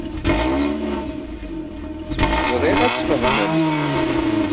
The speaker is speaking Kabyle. Ẓriɣ ad tt-fehmen.